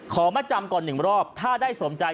มาจำก่อน๑รอบถ้าได้สมใจ